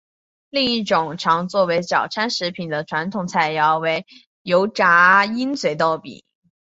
另一种常作为早餐食品的传统菜肴为油炸鹰嘴豆饼。